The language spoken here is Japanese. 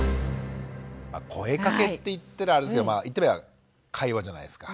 「声かけ」って言っててあれですけど言ってみれば会話じゃないですか。